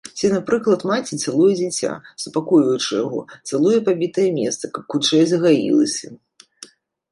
Ці напрыклад, маці цалуе дзіця, супакойваючы яго, цалуе пабітае месца, каб хутчэй загаілася.